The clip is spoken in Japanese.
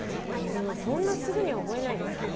でもそんなすぐには覚えないですよね。